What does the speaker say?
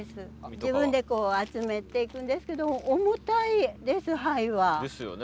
自分でこう集めていくんですけど重たいです灰は。ですよね。